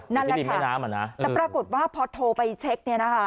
ใช่ค่ะนั่นแหละค่ะแต่ปรากฏว่าพอโทรไปเช็ค